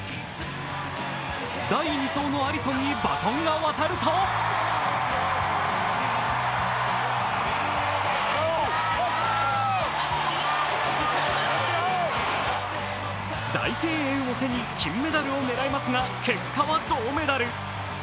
第２走のアリソンにバトンが渡ると大声援を背に金メダルを狙いますが結果は銅メダル。